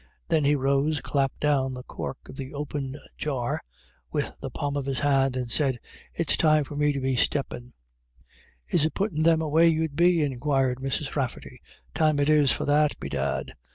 Then he rose, clapped down the cork of the opened jar with the palm of his hand, and said :" It's time for me to be steppinV " Is it puttin' them away you'd be ?" inquired Mrs. Rafferty. " Time it is for that, bedad."